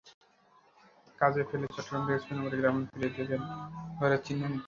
কাজ ফেলে চট্টগ্রাম থেকে শনিবার গ্রামে ফিরে দেখেন, ঘরের চিহ্নও নেই।